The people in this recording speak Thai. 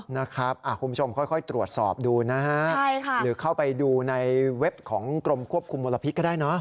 นะครับคุณผู้ชมค่อยตรวจสอบดูนะฮะหรือเข้าไปดูในเว็บของกรมควบคุมมลพิษก็ได้เนอะ